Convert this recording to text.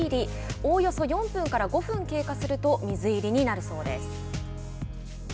おおよそ４分から５分経過すると水入りになるそうです。